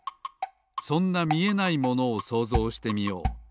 そんなみえないものをそうぞうしてみよう。